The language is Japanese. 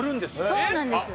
そうなんです。